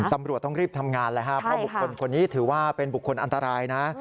ตำรวจต้องรีบทำงานเลยครับเพราะบุคคลคนนี้ถือว่าเป็นบุคคลอันตรายนะ